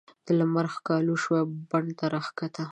د لمر ښکالو شوه بڼ ته راکښته